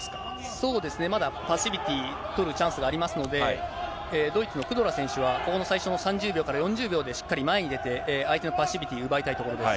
そうですね、まだパッシビティ取るチャンスがありますので、ドイツのクドラ選手は、ここの最初の３０秒から４０秒でしっかり前に出て、相手のパッシビティを奪いたいところです。